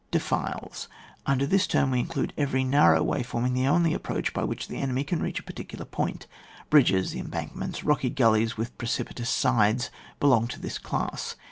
Defiles. Under this tenn, we include every narrow way forming the only approach by which llie enemy can reach a particu lar point. Bridges, embankments, rocky gulleys with precipitous sides, belong to this class.